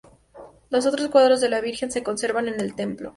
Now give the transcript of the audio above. Los otros cuadros de la Virgen se conservan en el templo.